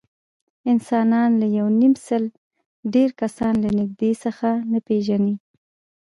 انسانان له یونیمسل ډېر کسان له نږدې څخه نه پېژني.